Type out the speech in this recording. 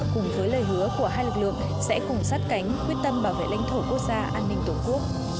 cùng với lời hứa của hai lực lượng sẽ cùng sát cánh quyết tâm bảo vệ lãnh thổ quốc gia an ninh tổ quốc